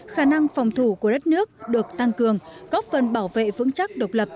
khả năng phòng thủ của đất nước được tăng cường góp phần bảo vệ vững chắc độc lập